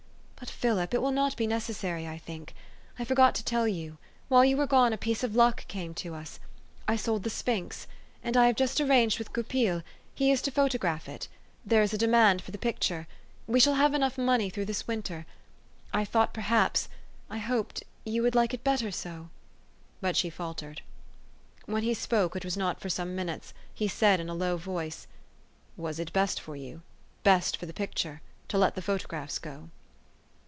"But Philip it will not be necessary, I think. I forgot to tell you. While you were gone a piece of luck came to us. I sold the sphinx. And I have just arranged with Goupil. He is to photo graph it. There is a demand for the picture. We shall have money enough this winter. I thought perhaps I hoped you would like it better so." But she faltered. When he spoke, which was not for some minutes, he said in a low voice, " Was it best for you, best for the picture, to let the photographs go?